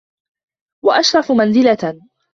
وَأَشْرَفُ مَنْزِلَةً